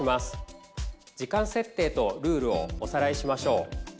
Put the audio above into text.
時間設定とルールをおさらいしましょう。